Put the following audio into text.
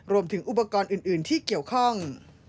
รวมถึงอุปกรณ์อื่นที่เกี่ยวข้อง